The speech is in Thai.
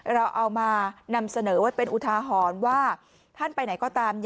เราเอามานำเสนอไว้เป็นอุทาหรณ์ว่าท่านไปไหนก็ตาม